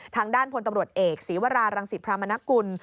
ทางด้านพลตำรวจเอกศีวรารังศิพรามนกุล